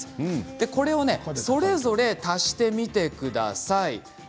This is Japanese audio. これをそれぞれ足してみてください。